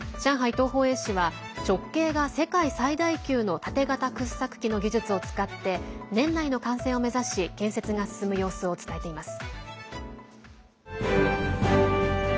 東方衛視は直径が世界最大級の縦型掘削機の技術を使って年内の完成を目指し建設が進む様子を伝えています。